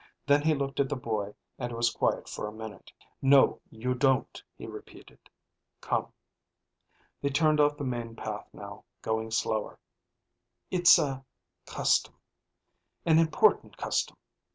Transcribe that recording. Then he looked at the boy and was quiet for a minute. "No, you don't," he repeated. "Come." They turned off the main path now, going slower. "It's a ... custom. An important custom.